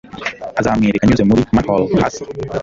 Aramwereka anyuze muri manhole hasi